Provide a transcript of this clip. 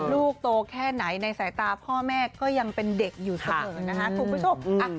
ลูกโตแค่ไหนในสายตาพ่อแม่ก็ยังเป็นเด็กอยู่เสมอนะคะคุณผู้ชม